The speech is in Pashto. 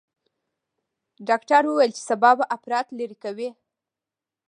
ډاکتر وويل چې سبا به اپرات لرې کوي.